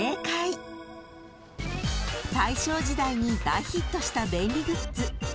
［大正時代に大ヒットした便利グッズ